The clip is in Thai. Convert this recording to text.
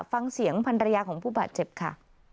ฟังเสียงพันรยาของผู้บาดเจ็บค่ะ